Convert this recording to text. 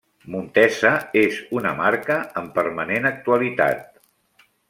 Montesa és una marca en permanent actualitat.